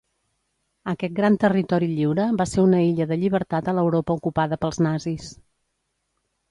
Aquest gran territori lliure va ser una illa de llibertat a l'Europa ocupada pels nazis.